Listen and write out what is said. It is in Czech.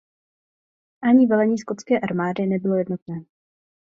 Ani velení skotské armády nebylo jednotné.